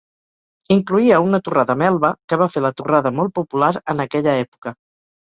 Incloïa una torrada Melba, que va fer la torrada molt popular en aquella època.